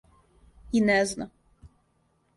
И не зна.